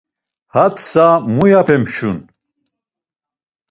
Ha tsa, muyape mşun!